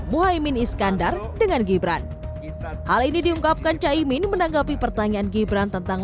muhaymin iskandar dengan gibran hal ini diungkapkan caimin menanggapi pertanyaan gibran tentang